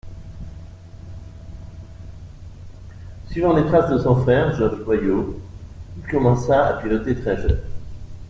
Suivant les traces de son frère, Georges Boillot, il commença à piloter très jeune.